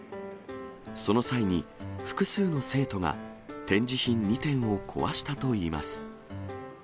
その際に複数の生徒が、展示品２点を壊したといいます。